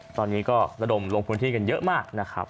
ตอนนี้ก็ระดมลงพื้นที่กันเยอะมากนะครับ